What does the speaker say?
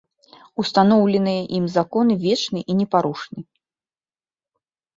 Устаноўленыя ім законы вечны і непарушны.